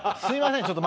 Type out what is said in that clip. すみません